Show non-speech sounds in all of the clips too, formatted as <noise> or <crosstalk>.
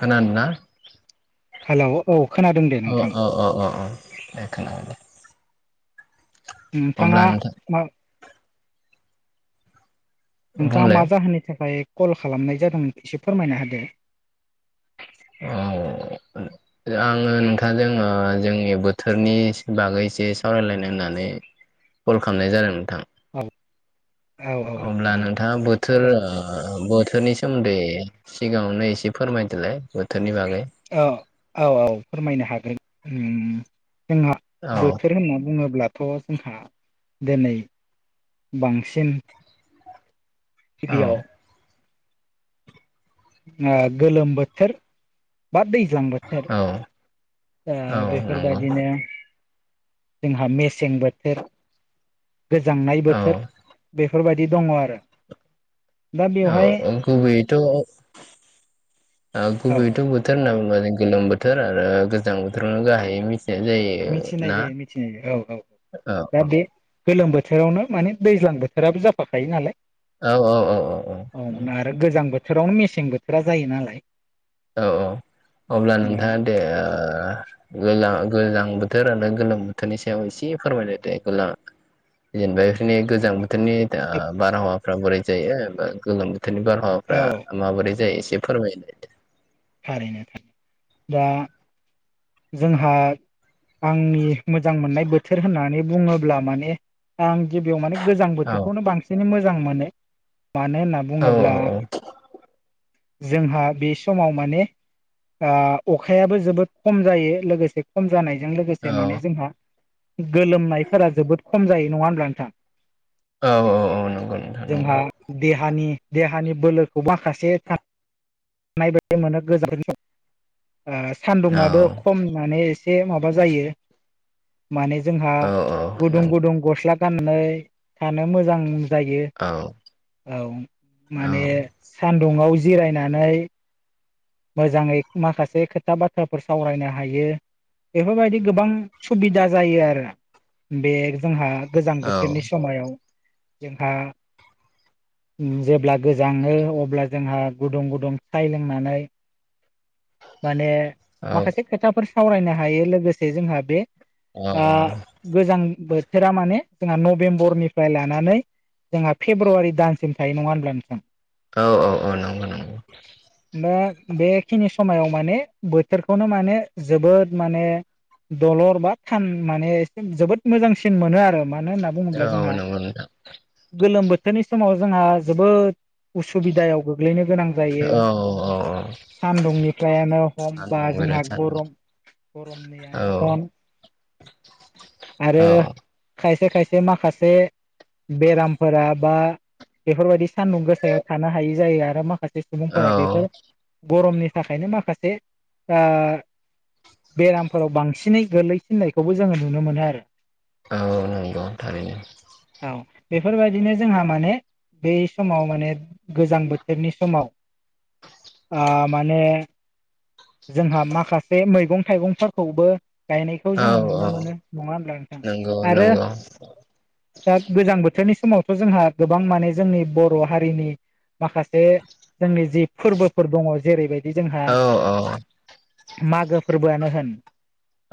खोनादों ना हेलौ औ खोनादों दे औ औ नोंथां औ औ औ दे खोनाबाय दे अब्ला नोंथाङा नोंथां मा नोंथाङा मा बुंलाय जाहोननि थाखाय कल खालामनाय जादों एसे फोरमायना होदो <unintelligible> आङो नोंथांजों ओ जोंनि बोथोरनि बागै एसे सावरायलायनो होननानै कल खालामनाय जादों नोंथां। अ। अब्ला नोंथाङा बोथोर ओ बोथोरनि सोमोन्दै सिगाङावनो एसे फोरमायदोलाय बोथोरनि बागै। औ औ औ फोरमायनो हागोन। जोंहा औ बोथोर होनना बुङोब्लाथ' जोंहा दोनै बांसिन औ गिबियाव ओ गोलोम बोथोर बा दैज्लां बोथोर औ। ओ औ नंगौ बेफोरबायदिनो जोंहा मेसें बोथोर गोजांनाय औ बोथोर बेफोरबायदि दङ आरो। दा औ बेवहाय ओ गुबैयैथ' ओ औ औ गुबैयैथ' बोथ बोथोर होनना बुंबा जों गोलोम बोथोर आरो गोजां बोथोरावनो गाहायै मि मिथिनाय जायो मिथिनाय औ औ औ दा बे गोलोम बोथोरावनो माने दैज्लां बोथोराबो जाफाखायो नालाय औ औ औ औ औ। दा गोजां बोथोरावनो मेसें बोथोरा जायो नालाय औ औ अब्ला दा नोंथांङा दे ओ लोला गोजां बोथोर आरो गोलोम बोथोरनि सायाव एसे फोरमायलाय दे गोला <unintelligible> ने गोजां बोथोरनि आ बारहावाफ्रा बोरै जायो बा गोलोम बोथोरनि बारहावाफ्रा औ माबोरै जायो एसे फोरमायदो। थारैनो थायो दा जोंहा आंनि मोजां मोननाय बोथोर होननानै बुंङोब्ला माने आं गिबियाव माने गोजां औ बोथोरखौनो बांसिनै मोजां मोनो। मानो होनना औ बुङोब्ला जोंहा बे समाव माने आ अखायाबो जोबोद खम जायो। लोगोसे खम जानायजों औ लोगोसे माने जोंहा गोलोमनायफोरा जोबोद खम जायो। नंङा होनब्ला नोंथां? औ औ। नंगौ नोंथां जोंहा नंगौ देहानि देहानि बोलोखौ माखासे खा नाय बायदि मोनो <unintelligible> ओ सान्दुं औ आबो खम माने एसे माबा जायो माने जोंहा औ औ गुदुं नंगौ गुदुं गस्ला थ गाननानै थानो मोजां जायो। औ औ औ औ माने सानदुंङाव जिरायनानै मोजांङै माखासे खोथा बाथ्राफोर सावरायनो हायो। बेफोरबायदि गोबां सुबिदा जायो आरो बे जोंहा गोजां बोथोरनि समायाव जोंहा उम जेब्ला गोजाङो अब्ला जोंहा गुदुं गुदुं साय लोंनानै माने औ माखासे खोथाफोर सावरायनो हायो लोगोसे जोंहा बे आ गोजां बोथोरा माने जोंहा नभेम्बरनिफ्राय लानानै जोंहा फेब्रुवारि दानसिम थायो। नंङा होमब्ला नोंथां? औ औ औ नंगौ नंगौ। दा बेखिनि समायाव माने बोथोरखौनो माने जोबोद माने दलर बा थान माने एसे जोबोद मोजांसिन मोनो आरो मानो होना बुङोब्ला औ जोंहा नंगौ नोंथां गोलोम बोथोरनि समाव जोंहा जोबोद उसुबिदायाव गोग्लैनो गोनां औ औ औ। सान्दुंनिफ्रायानो हम बा सान्दुं जोंहा बिराद सान्दुं गरम औ रनदैयानो हन औ आरो खायसे खायसे माखासे बेरामफोरा बा बेफोरबायदि सान्दुं गोसायाव थानो हायि जायो आरो माखासे औ सुबुंफोरा बेफोर गरमनि थाखायनो माखासे आ बेरामफोराव बांसिनै गोलै फिननायखौबो जोंङो नुनो मोनो आरो। औ नंगौ थारैनो। औ बेफोरबायदिनो जोंहा माने बै समाव माने गोजां बोथोरनि समाव आ माने जोंहा माखासे मैगं थाइगंफोरखौबो गायनायखौ औ जोंङो औ नुनो मोनो नंङा होनब्ला नोंथां नंगौ आरो नंगौ दा गोजां बोथोरनि समावथ' जोंहा गोबां माने जोंनि बर' हारिनि माखासे जोंनि जि फोरबोफोर दङ जेरैबायदि जोंहा अ अ अ मागो फोरबोआनो होन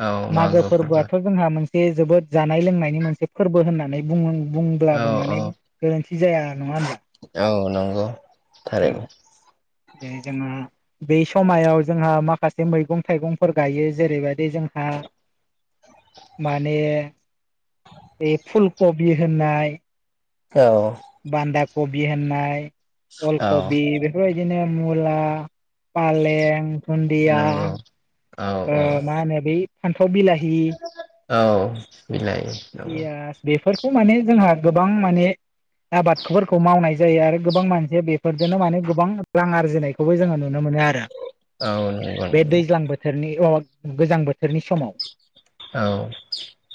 औ मागो फोरबो फोरबोआथ जोंहा मोनसे जोबोद जानाय लोंनायनि मोनसे फोरबो होननानै बुंनां बुं औ ब्लाबो औ माने गोरोन्थि जाया नंङा होनब्ला? औ नंगौ थारैनो औ जेरै जोंहा बे समायाव जोंहा माखासे मैगं थाइगंफोर गायो जेरैबायदि जोंहा माने बे फुल कबि होननाय औ बानदा कबि होननाय अल औ कबि बेफोरबायदिनो मुला फालें दुनदिया नंगौ औ औ मा ओ होनो बै फानथाव बिलाहि औ बिलाइ नंगौ पियास बेफोरखौ माने जोंहा गोबां माने आबादफोरखौ मावनाय जायो आरो गोबां मानसिया बेफोरजोंनो माने गोबां रां आरजिनायखौबो जोङो नुनो मोनो आरो। औ नंगौ बे नंगौ दैज्लां बोथोरनि अ गोजां बोथ थोरनि समाव औ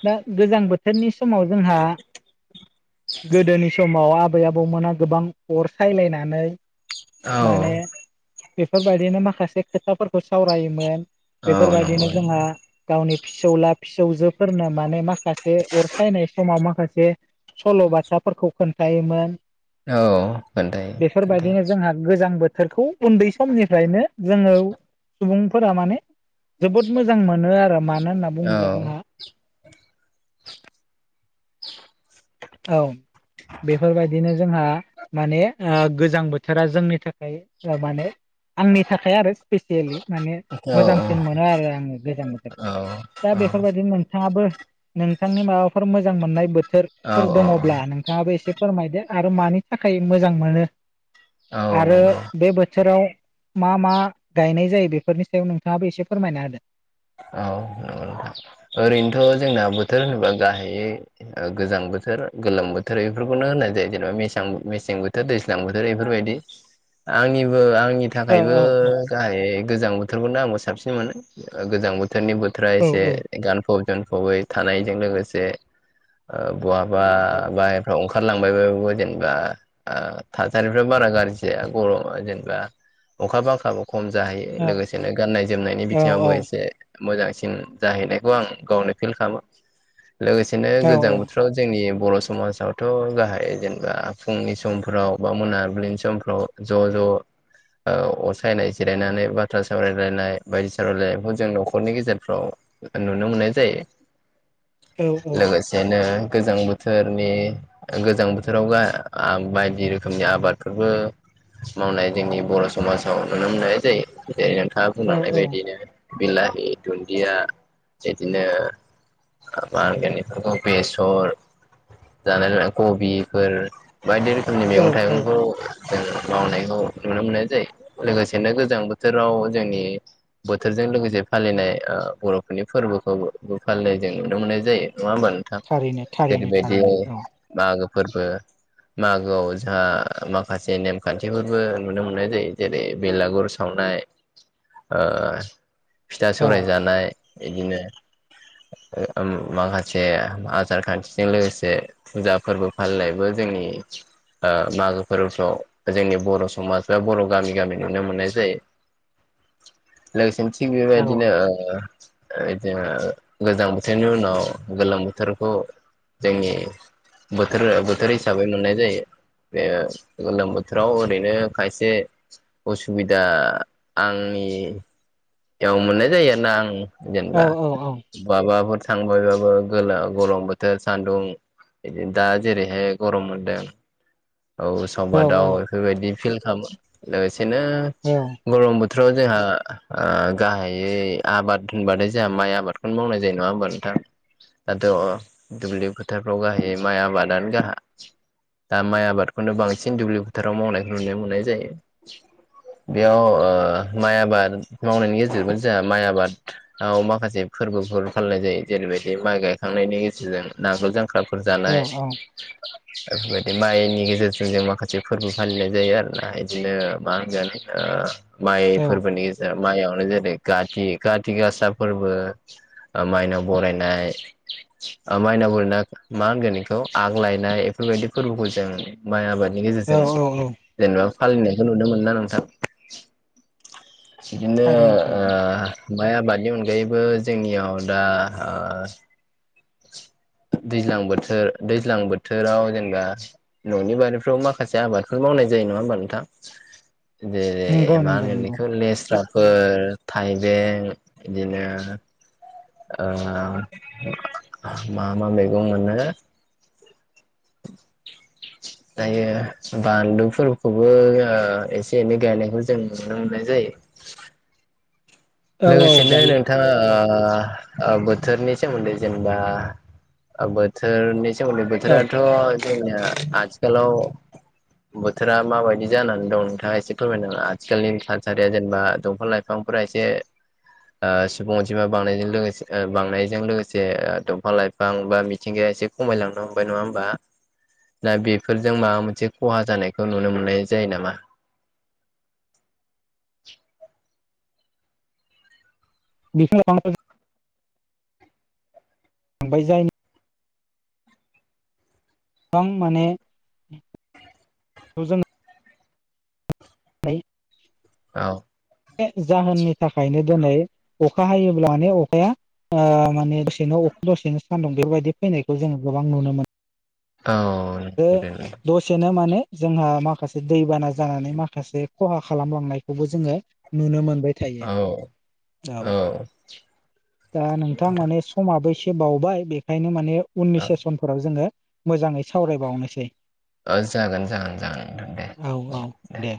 दा गोजां बोथोरनि समाव जोंहा गोदोनि समाव आबै आबौमोना गोबां अर सायलायनानै औ माने बेफोरबायदिनो माखासे खोथाफोरखौ सावरायोमोन औ बेफोरबायदिनो नंगौ जोंहा गावनि फिसौला फिसौजोफोरनो माने माखासे बे अर सायनाय समाव माखासे सल'बाथाफोरखौ खोन्थायायोमोन। औ खोन्थायो खोन्थायो बेफोरबायदिनो जोंहा गोजां बोथोरखौ उनदै समनिफ्रायनो जोङो सुबुंफोरा माने जोबोद मोजां मोनो आरो मानो होनना बुङोब्ला जोंहा औ औ बेफोरबायदिनो जोंहा माने ओ गोजां बोथोरा जोंनि थाखाय ओ माने आंनि थाखाय आरो स्पेसियेलि माने औ मोजांसिन मोनो आरो आङो गोजां बोथोरखौ। औ दा बेफोरबायदि नोंथाङाबो नोंथांनि माबाफोर मोजां मोननाय बोथो औ फोर दङब्ला औ नोंथाङाबो एसे फोरमायदो आरो मानि थाखाय मोजां मोनो औ आरो नंगौ बे बोथोराव मा मा गायनाय जायो बेफोरनि सायाव नोंथाङाबो एसे फोरमायना होदों? औ नंगौ नोंथां ओरैनोथ जोंना बोथोर होनोबा गाहायै ओ गोजां बोथोर गोलोम बोथोर बेफोरखौनो होननाय जायो जेनेबा मेसां मेसें बोथोर दै जां बोथोर बेफोरबायदि आंनिबो आंनि नि औ थाखायबो औ जाहाय गोजां बोथोरखौनो आंबो साबसिन मोनो गोजां बोथोरनि बो थोरा औ एसे गानफब जोमफबै थानायजों लोगोसे ओ बहाबा बाहेरफ्राव ओंखारलांबायबो जेनेबा आ थासारिफ्रा बारा गाज्रि जाया गर जेनेबा अखा बांखा खम जाहैयो औ औ लोगोसेनो गाननाय जोमनायनि औ बिथिङावबो ए मोजांसिन जाहैनायखौ आं गावनो फिल खालामो लोगोसेनो औ गोजां बोथोर थाव जोंनि बर' समाजावथ' गाहाय जेनेबा फुंनि समफ्राव बा मोनाबिलिनि समफ्राव ज' ज' अर सायनाय जिरायनानै बाथ्रा सावरायलायनाय बायदिसिना रायलायनाय जों न'खरनि गेजेरफ्राव नुनो मोननाय जायो लोगोसे बेनो गोजां बोथोरनि गोजां बोथोरावबो बायदि रोखोमनि आबादफोरबो मावनाय जोंनि बर' समाजाव नुनो मोननाय जायो जेरै नोंथाङा औ बुंलांनाय बायदिनो बिलाहि दुनदिया बिदिनो मा होनगोन एफोरखौ बेसर जानाय लोंनाय कबिफोर बायदि रोखोमनि औ मैगं औ थाइगंखौ जों मावनायखौ नुनो मोननाय जायो लोगोसेनो गोजां बोथोराव जोंनि बिसोरजों लोगोसे फालिनाय बर'फोरनि फोरबोखौ फालिनाय जों नुनो मोननाय जायो नङाोमोन थारैनो थारैनो जेरैबायदि थारैनो औ मागो फोरबो मागोआव जोंहा माखासे नेम खानथिफोरबो नुनो मोननाय जायो जेरै बेलागुर सावनाय ओ फिथा औ सौराय जानाय बिदिनो ओ ओम माखासे आसार खानथिजों लोगोसे फुजा फोरबो फालिनायबो जोंनि ओ मागो फोरबोफ्राव जोंनि बर' समाज बा बर' गामि गामि नुनो मोननाय जायो लोगोसे थिग औ बेबायदिनो बिदिनो गोजां बोथोरनि उनाव गोलोम बोथोरखौ जोंनि बोथोर बोथोर हिसाबै मोननाय जायो बे गोलोम बोथोराव ओरैनो खायसे उसुबिदा आंनि एयाव मोननाय जायो आरो ना आं औ जेनेबा माबाफोर थांबायबाबो गलम बोथोर सान्दुं बिदिनो दा जेरैहाय गरम मोनदों औ समबादाव बेफोरबायदि फिल खालामो लोगोसेनो गरम बोथोराव जोंहा गाहायै आबाद होनबाथाय जोंहा माइ आबाद बेखौनो मावनाय जायो नङा होनबा नोंथां दाथ' दुब्लि फोथारफ्राव गाहाय माइ आबादानो गाहाय दा माइ आबाद खौनो बांसिन दुब्लि फोथाराव मावनायखौ नुनो मोननाय जायो बेयाव माइ आबाद मावनायनि गेजेरबोनो जोंहा माइ आबाद आ माखासे फोरबोफोर फनाय जायो जेरैबायदि माइ गायखांनायनि गेजेरजों नाखौ जां सख्राफोर औ जानाय बेफोरबायदि माइनि गेजेराव गेजेरसिन जों माखासे फोरबो फालिनाय जायो आरोना बिदिनो मा होनगोन माइ फोरबोनि गेजेराव माइयावनो जेरै काथि खााथि गासा फोरबो मायनाव बरायनाय माइनाव बरायनाय ना मा होनगोन बेखौ आग्लायनाय बेफोरबायदि फोरबोखौ जों माइ आबादनि औ गेजेरजों औ जेनेबा फालिनायखौ नुनो मोनना नोंथां बिदिनो थारैनो थारैनो माइ आबादनि अनगायैबो जोंनियाव दा दैज्लां बोथोर दैज्लां बोथोराव जेनेबा न'नि बारिफ्राव माखासे आबादफोर मावनाय जायो नङा होमबा नोंथां दे दे नंगौ मा नंगौ होनगोन नंगौ बेखौ लेसारा फोर थाइबें बिदिनो मा मा मैगं मोनो दायो बानलुफोरखौबो एसे एनै गायनायखौ जों नुनो मोननाय जायो औ औ लोगोसे नो गायो औ नोंथाङा बोथोरनि सोमोन्दै जेनेबा बोथोरनि सेोमै औ बोथोराथ' जोंनिनाया आथिखालाव बोथोरा माबायदि जानानै दं नोंथाङा एसे फोरमायना होदो आथिखालनि थासारिया जेनेबा दंफां लाइफां समफोरा एसे ओ सुबुं अनजिमा बांनायजों लोगोसे बांनायजों लोगोसे दंफां लाइफां बा मिथिंगाया एसे खमायलांनो हमबाय नङा होनबा दा बेफोरजों माबा मोनसे खहा जानायखौ नुनो मोननाय जायो नामा <unintelligible> गोबां माने जों ओमफ्राय औ बे जाहोननि थाखायनो दिनै अखा हायोब्लानो अखाया ओ माने दसेनो अखु दसेनो सान्दुं बेफोरबायदि फैनायखौ जोङो गोबां नुनो मोनो औ बे नंगौ दे नोंथां। दसे सेनो माने जोंहा माखासे दैबाना जानानै माखासे खहा खालामलांनायखौबो जोङो नुनो मोनबाय थायो औ औ दा नोंथां माने समाबो एसे बावबाय बेखायनो माने उननि से समफोराव जोङो मोजाङै सावरायबावनोसै ओ जागोन जागोन जागोन दे औ औ दे